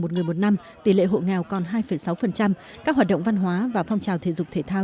một người một năm tỷ lệ hộ nghèo còn hai sáu các hoạt động văn hóa và phong trào thể dục thể thao